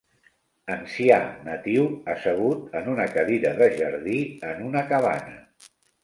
Ancià natiu assegut en una cadira de jardí en una cabana.